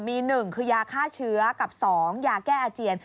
มี๑คือยาฆ่าเชื้อกับ๒ยาแก้อาเจียน